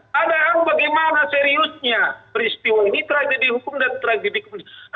padahal bagaimana seriusnya peristiwa ini tragedi hukum dan tragedi kebencian